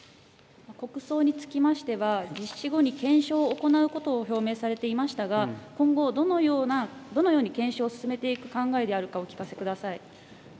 国葬につきましては、実施後に検証を行うことを表明されていましたが、今後、どのように検証を進めていく考えであるか、お聞かせください。